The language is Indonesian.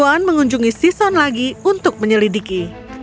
lalu swan mengunjungi sison lagi untuk menyelidiki